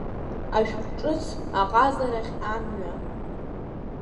Ашәҟәы ҿыц аҟазарахь амҩа.